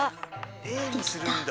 えにするんだ。